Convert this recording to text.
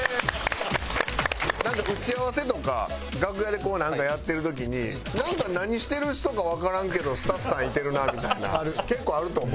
なんか打ち合わせとか楽屋でこうなんかやってる時になんか何してる人かわからんけどスタッフさんいてるなみたいな結構あると思うんですけど。